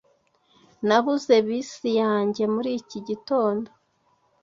Nabuze bisi yanjye muri iki gitondo.